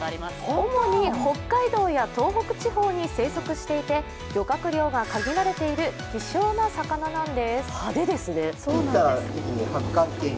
主に北海道や東北地方に生息していて漁獲量が限られている希少な魚なんです。